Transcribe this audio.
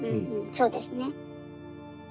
そうですね。